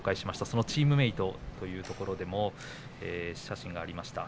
そのチームメートというところでの写真がありました。